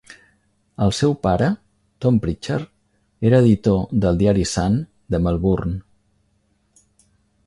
El seu pare, Tom Prichard, era editor del diari "Sun" de Melbourne.